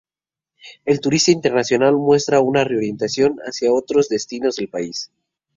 El turista internacional muestra una reorientación hacia otros destinos del país.